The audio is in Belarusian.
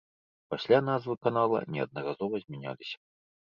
Пасля назвы канала неаднаразова змяняліся.